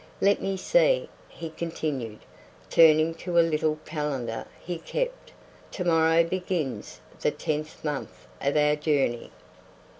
Let me see," he continued, turning to a little calendar he kept, "to morrow begins the tenth month of our journey.